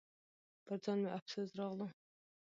پر ځان مې افسوس راغلو .